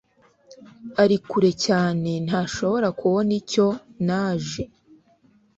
Ari kure cyane ntashobora kubona icyo naje